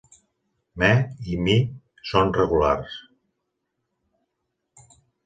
"Me" i "my-" són regulars.